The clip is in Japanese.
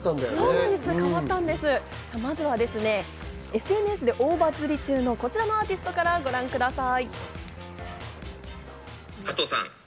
まずはＳＮＳで大バズり中のこちらのアーティストからご覧ください。